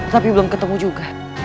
tapi belum ketemu juga